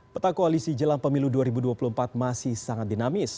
peta koalisi jelang pemilu dua ribu dua puluh empat masih sangat dinamis